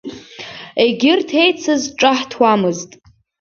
Егьырҭ еицыз ҿаҳҭуамызт.